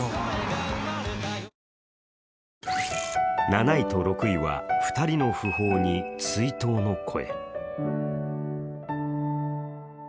７位と６位は２人の訃報に追悼の声